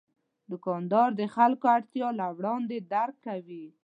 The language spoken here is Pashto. دوکاندار د خلکو اړتیا له وړاندې درک کوي.